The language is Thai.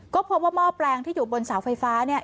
ก็พบว่าหม้อแปลงที่อยู่บนเสาไฟฟ้าเนี่ย